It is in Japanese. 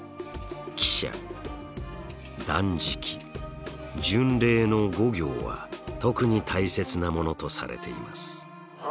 喜捨断食巡礼の五行は特に大切なものとされています。